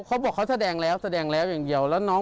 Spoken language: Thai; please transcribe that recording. เขาบอกเขาแสดงแล้วแสดงแล้วอย่างเดียวแล้วน้อง